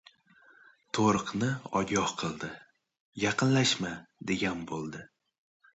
To‘riqni ogoh qildi. Yaqinlashma, degan bo‘ldi.